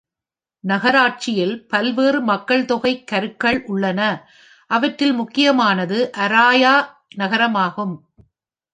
நகராட்சியில் பல்வேறு மக்கள்தொகை கருக்கள் உள்ளன, அவற்றில் முக்கியமானது அராயா நகரமாகும் .